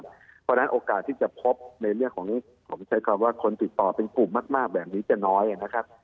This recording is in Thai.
เพราะฉะนั้นโอกาสที่จะพบในเรื่องของนี้ผมใช้คำว่าคนติดต่อเป็นกลุ่มมากแบบนี้จะน้อยนะครับ